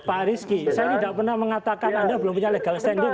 pak rizky saya tidak pernah mengatakan anda belum punya legal standing